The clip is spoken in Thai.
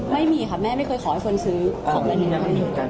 ไม่มีค่ะแม่ไม่เคยขอให้คนซื้อของแบนเนม